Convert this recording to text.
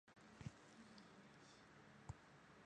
兰德格是奥地利下奥地利州沙伊布斯县的一个市镇。